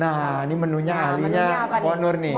nah ini menunya ahlinya mpok nur nih